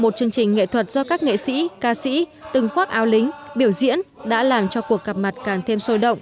một chương trình nghệ thuật do các nghệ sĩ ca sĩ từng khoác ao lính biểu diễn đã làm cho cuộc gặp mặt càng thêm sôi động